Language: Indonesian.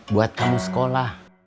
buat kamu sekolah